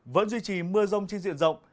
vẫn duy trì mưa rông trên diện rộng